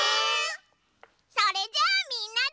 それじゃあみんなで。